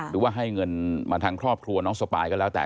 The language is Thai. หรือว่าให้เงินมาทางครอบครัวน้องสปายก็แล้วแต่